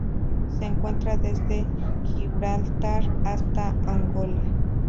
Se encuentra desde Gibraltar hasta Angola.